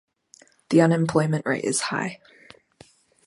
The unemployment rate is high.